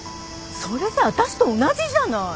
それじゃ私と同じじゃない。